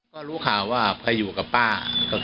ก็รู้ค่ะว่าใครอยู่กับป้า